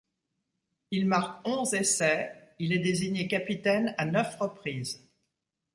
Il marque onze essais, il est désigné capitaine à neuf reprises.